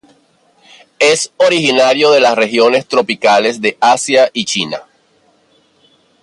Es originario de las regiones tropicales de Asia y China.